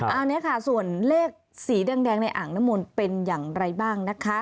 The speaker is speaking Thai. อันนี้ค่ะส่วนเลขสีแดงในอ่างน้ำมนต์เป็นอย่างไรบ้างนะคะ